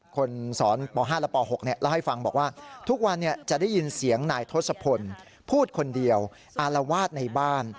คนสอนป๕และป๖เล่าให้ฟังบอกว่าทุกวันจะได้ยินเสียงนายทศพลพูดคนเดียวอารวาสในบ้าน